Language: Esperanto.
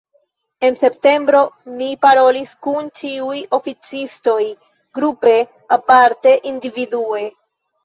En septembro mi parolis kun ĉiuj oficistoj grupe, parte individue.